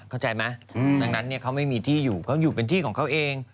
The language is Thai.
เข้าใจไหมดังนั้นเขาไม่มีที่อยู่เพราะอยู่เป็นที่ของเขาเอง